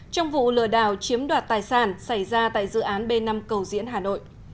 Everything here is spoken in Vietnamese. trong vụ lừa đảo chiếm đoạt tài sản xảy ra tại dự án b năm cầu diễn hà nội